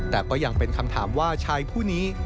แต่ก็ยังเป็นคำถามว่าชายผู้นี้